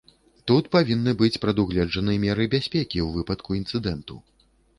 Тут павінны быць прадугледжаны меры бяспекі ў выпадку інцыдэнту.